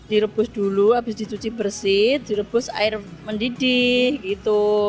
direbus dulu habis dicuci bersih direbus air mendidih gitu